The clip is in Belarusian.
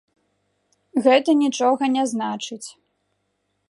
Гэта нічога не значыць.